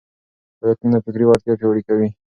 فعالیتونه فکري وړتیا پياوړې کوي.